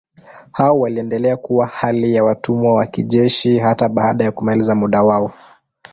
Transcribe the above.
Hao waliendelea kuwa hali ya watumwa wa kijeshi hata baada ya kumaliza muda wao.